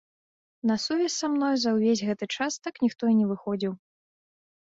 На сувязь са мной за ўвесь гэты час так ніхто і не выходзіў.